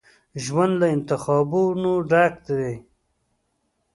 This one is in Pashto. ژوند له انتخابونو ډک دی.